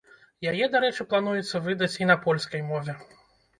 Яе, дарэчы, плануецца выдаць і на польскай мове.